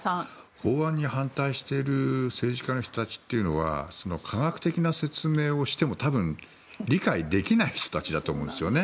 法案に反対している政治家の人たちというのは科学的な説明をしても多分、理解できない人たちだと思うんですよね。